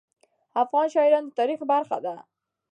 افغان شاعران د تاریخ برخه دي.